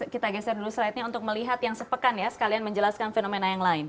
kita geser dulu slide nya untuk melihat yang sepekan ya sekalian menjelaskan fenomena yang lain